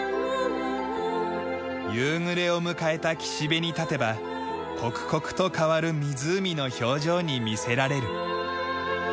夕暮れを迎えた岸辺に立てば刻々と変わる湖の表情に魅せられる。